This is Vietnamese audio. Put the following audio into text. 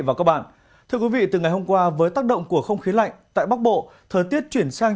và các bạn thưa quý vị từ ngày hôm qua với tác động của không khí lạnh tại bắc bộ thời tiết chuyển sang